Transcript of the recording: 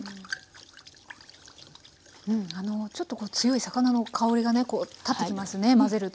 うんあのちょっと強い魚の香りがね立ってきますね混ぜると。